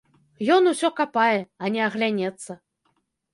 Ён усё капае, ані аглянецца.